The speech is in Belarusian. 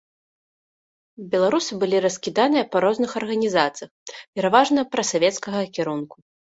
Беларусы былі раскіданыя па розных арганізацыях, пераважна прасавецкага кірунку.